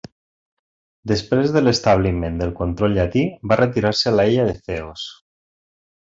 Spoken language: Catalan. Després de l'establiment del control Llatí, va retirar-se a l'illa de Ceos.